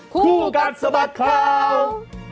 คู่กันสบัดครัว